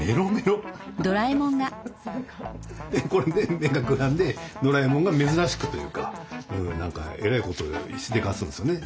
でこれで目がくらんでドラえもんが珍しくというかえらいことしでかすんですよね。